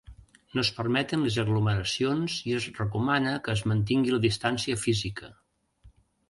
No es permeten les aglomeracions i es recomana que es mantingui la distància física.